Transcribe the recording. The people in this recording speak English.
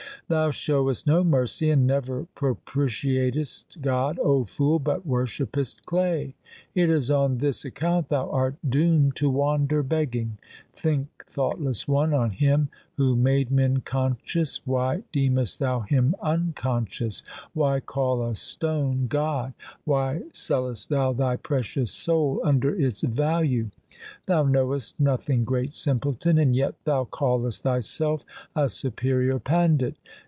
Thou showest no mercy and never pro pitiatest God, O fool, but worshippest clay. It is on this account thou art doomed to wander begging. Think, thoughtless one, on Him who made men conscious ; why deemest thou Him unconscious ? Why call a stone God ? Why sellest thou thy precious soul under its value ? Thou knowest nothing, great simpleton, and yet thou callest thyself a superior pandit.